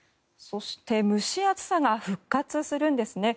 そして、蒸し暑さが復活するんですね。